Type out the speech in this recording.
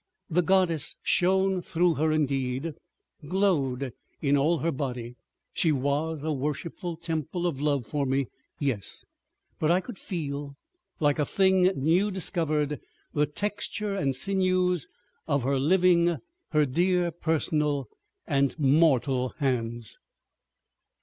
The goddess shone through her indeed, glowed in all her body, she was a worshipful temple of love for me—yes. But I could feel, like a thing new discovered, the texture and sinews of her living, her dear personal and mortal hands.